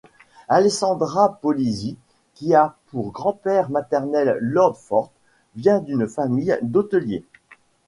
Alessandra Polizzi, qui a pour grand-père maternel Lord Forte, vient d'une famille d'hôteliers.